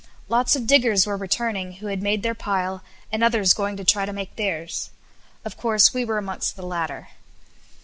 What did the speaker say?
Lots of diggers were returning who had made their pile, and others going to try to make theirs; of course we were amongst the latter.